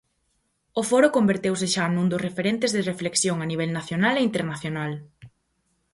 O foro converteuse xa nun dos referentes de reflexión a nivel nacional e internacional.